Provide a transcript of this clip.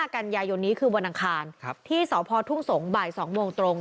กันยายนนี้คือวันอังคารที่สพทุ่งสงศ์บ่าย๒โมงตรง